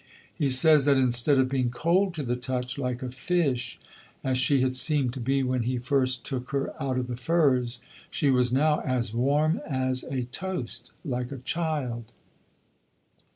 He says that instead of being cold to the touch, "like a fish," as she had seemed to be when he first took her out of the furze, she was now "as warm as a toast, like a child."